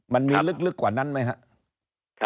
มันมีลึกกว่านั้นไหมครับ